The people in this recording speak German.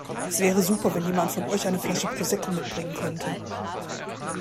Es wäre super wenn jemand von euch eine Flasche Prosecco mitbringen könnte.